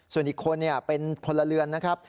ส่วนอีกคนเป็นพลเรือนนะครับ